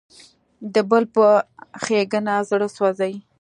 د بل په ښېګڼه زړه سوځي.